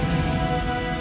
itulah kerjanya su